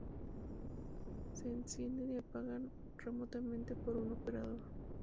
Se encienden y apagan remotamente por un operador.